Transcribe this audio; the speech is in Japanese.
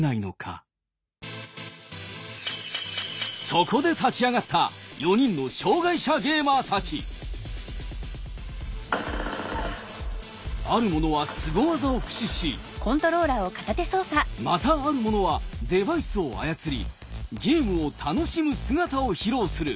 そこで立ち上がった４人の障害者ゲーマーたちある者はスゴ技を駆使しまたある者はデバイスを操りゲームを楽しむ姿を披露する。